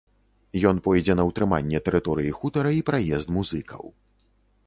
Ён пойдзе на ўтрыманне тэрыторыі хутара і праезд музыкаў.